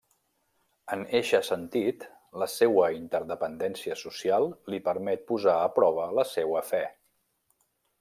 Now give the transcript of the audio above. En eixe sentit, la seua interdependència social li permet posar a prova la seua fe.